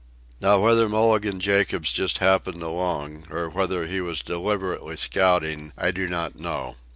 Now whether Mulligan Jacobs just happened along, or whether he was deliberately scouting, I do not know.